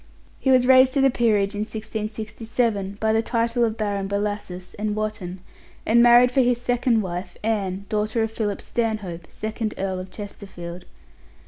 He was raised to the peerage in 1667 by the title of Baron Bellasis and Wotton, and married for his second wife Anne, daughter of Philip Stanhope, second Earl of Chesterfield.